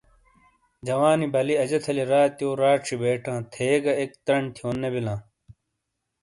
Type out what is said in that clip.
جوانی بالی اجہ تھالی راتیو راڇھی بیٹاں تھے گہ ایک ترنڈ تھیوننے بیلا ں۔